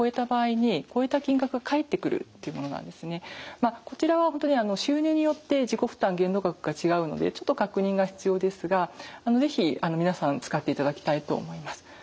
まずはこちらは収入によって自己負担限度額が違うのでちょっと確認が必要ですが是非皆さん使っていただきたいと思います。